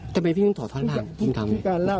ทำไมพี่ต้องทอทอดทางคุณทำอะไร